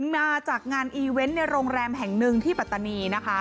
มาจากงานอีเวนต์ในโรงแรมแห่งหนึ่งที่ปัตตานีนะคะ